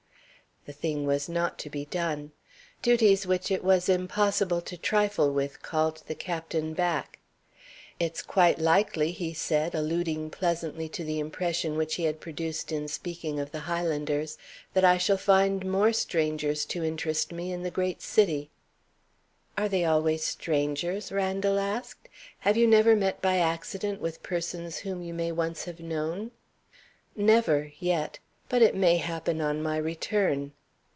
The thing was not to be done. Duties which it was impossible to trifle with called the Captain back. "It's quite likely," he said, alluding pleasantly to the impression which he had produced in speaking of the Highlanders, "that I shall find more strangers to interest me in the great city." "Are they always strangers?" Randal asked. "Have you never met by accident with persons whom you may once have known?" "Never yet. But it may happen on my return."